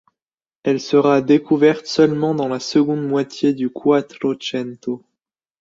Elle sera découverte seulement dans la seconde moitié du Quattrocento.